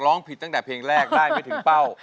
ร้องผิดตั้งแต่เพลงแรกได้ไม่ถึงเป้า